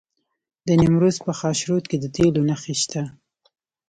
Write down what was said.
د نیمروز په خاشرود کې د تیلو نښې شته.